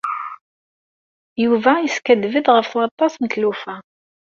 Yuba yeskaddeb-d ɣef waṭas n tlufa.